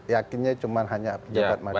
yakinnya cuma hanya pejabat masyarakat